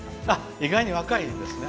意外に若いですね。